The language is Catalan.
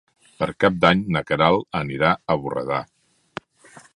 Per Cap d'Any na Queralt anirà a Borredà.